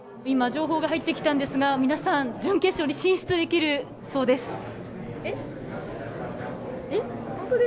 今、情報が入ってきたんですが、皆さん、準決勝に進出できるそうです。